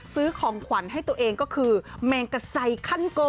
ซื้อของขวัญให้ตัวเองก็คือแมงกระไซคันโก